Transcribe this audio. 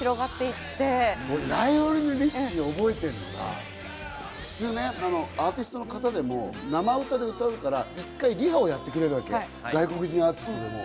俺ね、ライオネル・リッチーで覚えてるのが、普通、アーティストの方でも生歌で歌うから、１回リハをやってくれるわけ、外国人アーティストでも。